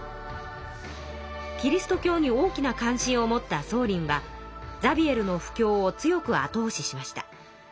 キリスト教に大きな関心を持った宗麟はザビエルの布教を強くあとおししました。